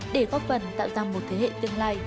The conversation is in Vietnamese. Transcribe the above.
để góp phần tạo ra một thế hệ tương lai